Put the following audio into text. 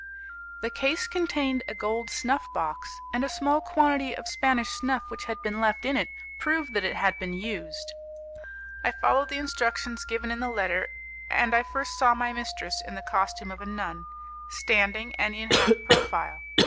The case contained a gold snuff box, and a small quantity of Spanish snuff which had been left in it proved that it had been used. I followed the instructions given in the letter, and I first saw my mistress in the costume of a nun, standing and in half profile.